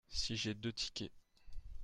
si j'ai deux tickets.